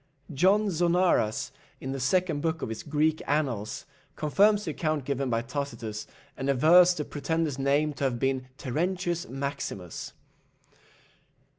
John Zonaras, in the second book of his Greek annals, confirms the account given by Tacitus, and avers the pretender's name to have been Terentius Maximus.